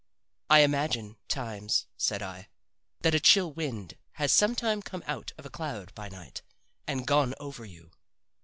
I imagine, times," said I, "that a chill wind has sometime come out of a cloud by night and gone over you.